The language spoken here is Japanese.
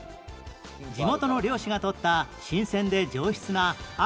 地元の猟師がとった新鮮で上質なあるジビエ